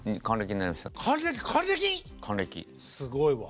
すごいわ。